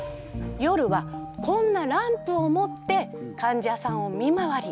夜はこんなランプを持って患者さんを見回り。